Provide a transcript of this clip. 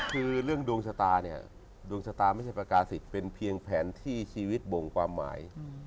คือเรื่องดวงชะตาเนี่ยดวงชะตาไม่ใช่ประกาศิษย์เป็นเพียงแผนที่ชีวิตบ่งความหมาย